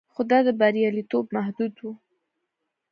خو دا بریالیتوب محدود و